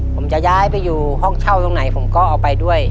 ผมจะย้ายไปอยู่ห้องเช่าตรงไหนผมก็เอาไปด้วย